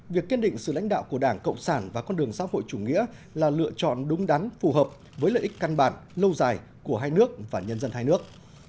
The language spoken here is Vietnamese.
việc kiên định sự lãnh đạo của đảng cộng sản và con đường xã hội chủ nghĩa là lựa chọn đúng đắn phù hợp với lợi ích căn bản lâu dài của hai nước và nhân dân hai nước